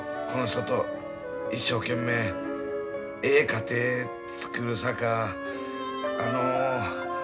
この人と一生懸命ええ家庭つくるさかあの。